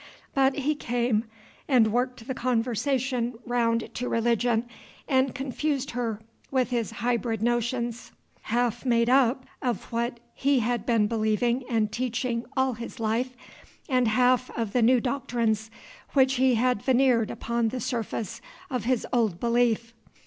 But he came, and worked the conversation round to religion, and confused her with his hybrid notions, half made up of what he had been believing and teaching all his life, and half of the new doctrines which he had veneered upon the surface of his old belief.